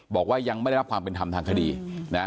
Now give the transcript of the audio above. บอกว่ายังไม่ได้รับความเป็นธรรมทางคดีนะ